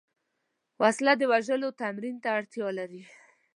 وسله د وژلو تمرین ته اړتیا لري